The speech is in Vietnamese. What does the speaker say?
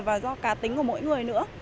và do cá tính của mỗi người nữa